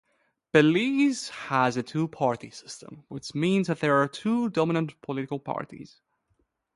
Belize has a two-party system, which means that there are two dominant political parties.